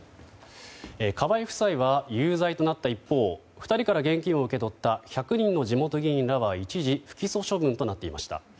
河井夫妻は有罪となった一方２人から現金を受け取った１００人の地元議員らは一時不起訴処分となっていました。